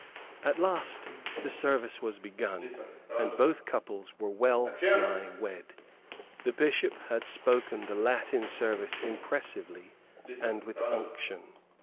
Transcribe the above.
At last the service was begun and both couples were well nigh wed. The Bishop had spoken the Latin service impressively and with unction.